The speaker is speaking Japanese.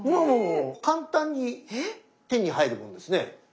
もう簡単に手に入るものですね。